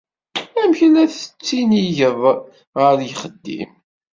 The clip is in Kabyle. Amek la tettinigeḍ Ɣer yixeddim?